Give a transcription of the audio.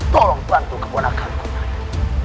tolong bantu keponakan ku nyai